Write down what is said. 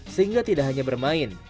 sehingga tidak hanya bermain